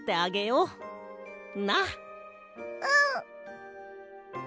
うん。